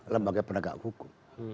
lembaga penegak hukum